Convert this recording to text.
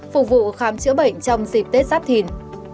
phục vụ khám chữa bệnh trong dịp tết giáp thìn